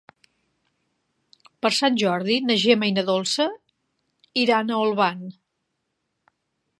Per Sant Jordi na Gemma i na Dolça iran a Olvan.